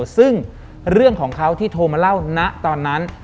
ซึ่งเรื่องของเขาที่โทรมาเล่านะตอนนั้น